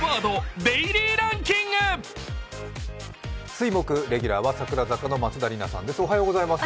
水木レギュラーは櫻坂の松田里奈さんです。